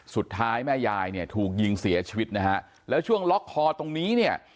สุดท้ายแม่ยายเนี่ยถูกยิงเสียชีวิตนะฮะแล้วช่วงล็อกคอตรงนี้เนี่ย